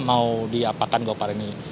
mau diapakan gopar ini